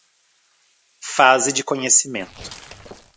fase de conhecimento